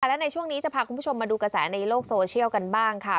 และในช่วงนี้จะพาคุณผู้ชมมาดูกระแสในโลกโซเชียลกันบ้างค่ะ